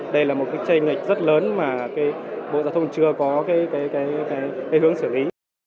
đây là một trây nghịch rất lớn mà bộ giao thông chưa có hướng xử lý